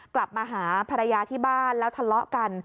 กลับมาหาภรรยาที่บ้านแล้วทะเลาะกัน